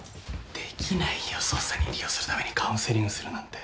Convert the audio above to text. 捜査に利用するためにカウンセリングするなんて。